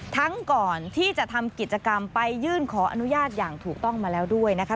ก่อนที่จะทำกิจกรรมไปยื่นขออนุญาตอย่างถูกต้องมาแล้วด้วยนะคะ